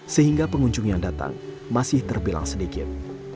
sehingga pengunjung yang datang masih terbilang sedikit